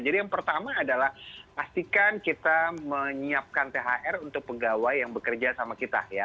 jadi yang pertama adalah pastikan kita menyiapkan thr untuk penggawai yang bekerja sama kita ya